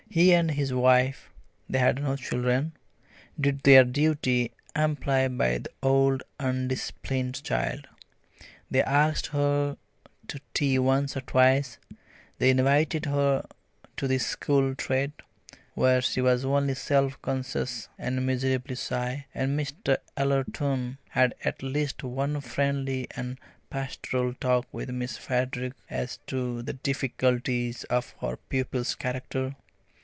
He and his wife they had no children did their duty amply by the odd undisciplined child. They asked her to tea once or twice; they invited her to the school treat, where she was only self conscious and miserably shy; and Mr. Ellerton had at least one friendly and pastoral talk with Miss Frederick as to the difficulties of her pupil's character.